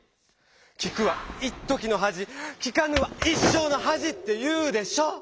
「聞くは一時の恥聞かぬは一生の恥」っていうでしょ！